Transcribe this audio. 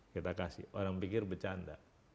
kita kasih orang pikir bercanda